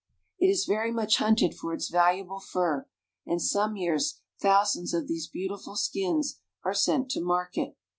It is very much hunted for its valuable fur, and some years thousands of these beautiful skins are sent to market.